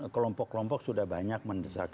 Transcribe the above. kelompok kelompok sudah banyak mendesak